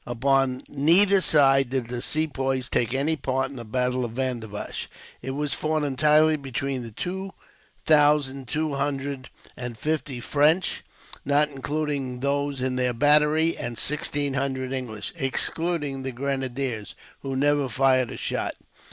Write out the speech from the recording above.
Upon neither side did the Sepoys take any part in the battle of Vandivash. It was fought entirely between the two thousand two hundred and fifty French, not including those in their battery, and sixteen hundred English, excluding the grenadiers, who never fired a shot.